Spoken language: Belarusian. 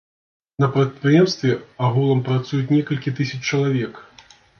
На прадпрыемстве агулам працуюць некалькі тысяч чалавек.